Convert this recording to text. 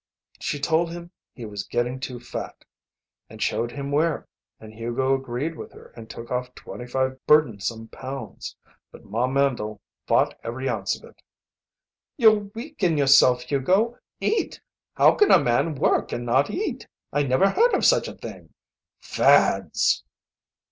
She told him he was getting too fat, and showed him where, and Hugo agreed with her and took off twenty five burdensome pounds, but Ma Mandle fought every ounce of it. "You'll weaken yourself, Hugo! Eat! How can a man work and not eat? I never heard of such a thing. Fads!"